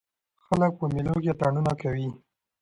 خلک په مېلو کښي اتڼونه کوي.